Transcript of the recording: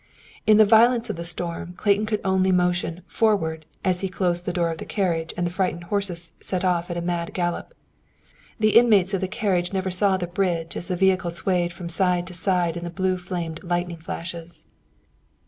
In the violence of the storm, Clayton could only motion "forward" as he closed the door of the carriage and the frightened horses set off at a mad gallop. The inmates of the carriage never saw the bridge as the vehicle swayed from side to side in the blue flamed lightning flashes.